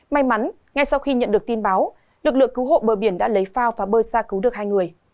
may mắn ngay sau khi nhận được tin báo lực lượng cứu hộ bờ biển đã lấy phao và bơi ra cứu được hai người